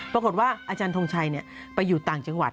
ปรากฏว่าอาจารย์ทงชัยเนี่ยไปอยู่ต่างจังหวัด